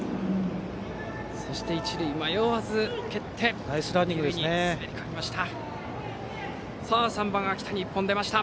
そして一塁、迷わず蹴って二塁に滑り込みました。